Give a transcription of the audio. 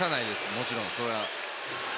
もちろん、それは。